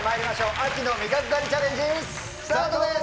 秋の味覚狩りチャレンジ、スタートです。